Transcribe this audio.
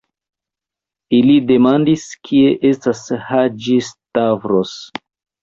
Ili demandis, kie estas Haĝi-Stavros.